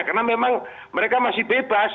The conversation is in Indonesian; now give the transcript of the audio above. karena memang mereka masih bebas